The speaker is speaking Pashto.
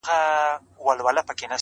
اوس په اسانه باندي هيچا ته لاس نه ورکوم;